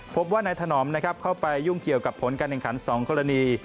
พบว่านายถนอมนะครับเข้าไปยุ่งเกี่ยวกับผลการแข่งขัน๒กรณี